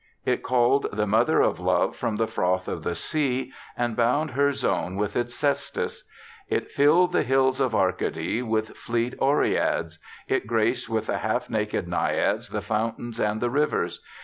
It called the mother of love from the froth of the sea, and bound her zone with its cestus ; it filled the hills of Arcady with fleet Oreads ; it graced with half naked Naiads the fountains and the rivers.